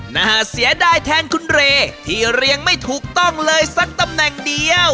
น่าเสียดายแทนคุณเรที่เรียงไม่ถูกต้องเลยสักตำแหน่งเดียว